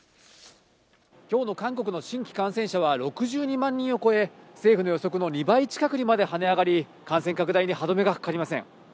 きょうの韓国の新規感染者は６２万人を超え、政府の予測の２倍近くにまで跳ね上がり、感染拡